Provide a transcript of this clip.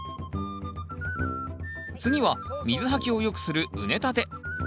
次は水はけをよくする畝立て。